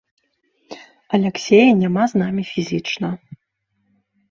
Аляксея няма з намі фізічна.